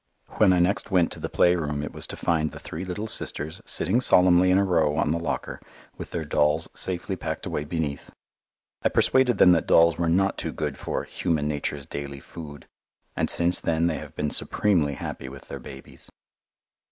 When I next went to the playroom it was to find the three little sisters sitting solemnly in a row on the locker with their dolls safely packed away beneath. I persuaded them that dolls were not too good for "human nature's daily food," and since then they have been supremely happy with their babies.